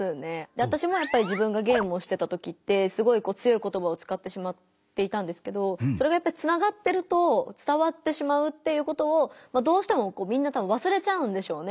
わたしもやっぱり自分がゲームをしてた時ってすごいこう強い言葉をつかってしまっていたんですけどそれがやっぱりつながってると伝わってしまうっていうことをどうしてもこうみんなたぶんわすれちゃうんでしょうね